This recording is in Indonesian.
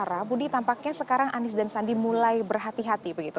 komitmen sara budi tampaknya sekarang andi dan sandi mulai berhati hati